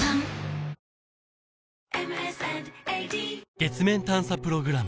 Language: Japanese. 月面探査プログラム